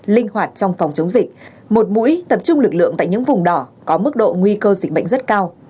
linh hoạt trong phòng chống dịch một mũi tập trung lực lượng tại những vùng đỏ có mức độ nguy cơ dịch bệnh rất cao